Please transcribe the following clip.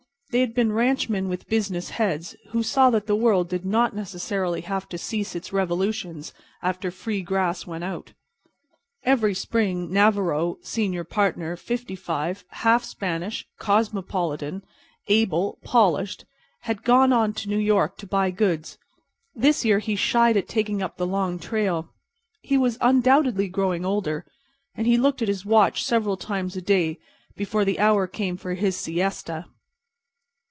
They had been ranchmen with business heads, who saw that the world did not necessarily have to cease its revolutions after free grass went out. Every Spring, Navarro, senior partner, fifty five, half Spanish, cosmopolitan, able, polished, had "gone on" to New York to buy goods. This year he shied at taking up the long trail. He was undoubtedly growing older; and he looked at his watch several times a day before the hour came for his siesta.